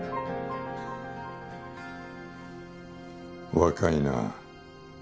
若いな。